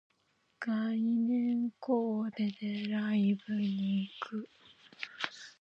概念コーデでライブに行く